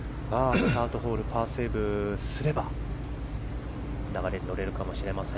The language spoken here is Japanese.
スタートホールパーセーブすれば流れに乗れるかもしれません。